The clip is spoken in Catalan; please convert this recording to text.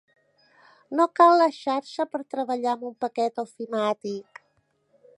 No cal la xarxa per treballar amb un paquet ofimàtic.